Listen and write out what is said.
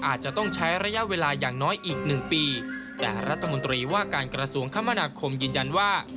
อาจจะต้องใช้ระยะเวลาอย่างน้อยอีกหนึ่งปีแต่รัฐมนตรีว่าการกระทรวงคมนาคมยืนยันว่า